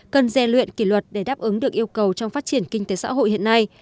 cần dè luyện kỷ luật để đáp ứng được yêu cầu trong phát triển kinh tế xã hội hiện nay